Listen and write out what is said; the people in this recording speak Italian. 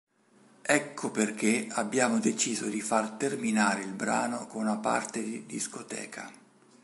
Ecco perché abbiamo deciso di far terminare il brano con una parte di "Discoteca".